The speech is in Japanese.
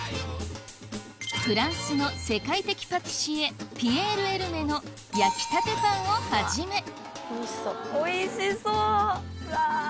フランスの世界的パティシエピエール・エルメのをはじめうわ！